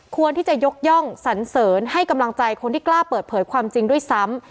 ควรที่จะยกย่องสันเสริญให้กำลังใจคนที่กล้าเปิดเผยความจริงด้วยซ้ำ